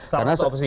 salah satu opsi